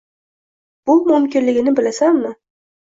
Bu mumkinligini bilasanmi?